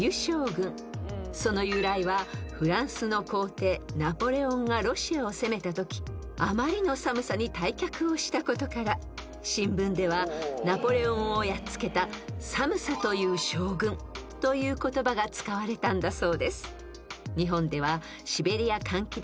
［その由来はフランスの皇帝ナポレオンがロシアを攻めたときあまりの寒さに退却をしたことから新聞ではナポレオンをやっつけた「寒さという将軍」という言葉が使われたんだそうです］